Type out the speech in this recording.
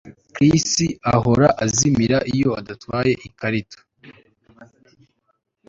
Chris ahora azimira niba adatwaye ikarita